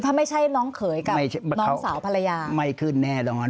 ถ้าไม่ใช่น้องเขยกับน้องสาวภรรยาไม่ขึ้นแน่นอน